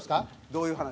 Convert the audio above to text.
どういう話？